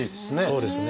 そうですね。